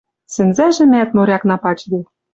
Сӹнзӓжӹмӓт морякна пачде.